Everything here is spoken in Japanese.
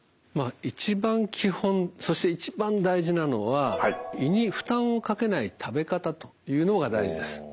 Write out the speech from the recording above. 一番基本そして一番大事なのは胃に負担をかけない食べ方というのが大事です。